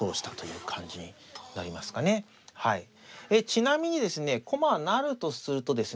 ちなみにですね駒成るとするとですね